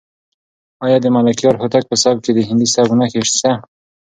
آیا د ملکیار هوتک په سبک کې د هندي سبک نښې شته؟